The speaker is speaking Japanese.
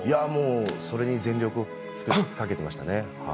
そこに全力をかけていましたね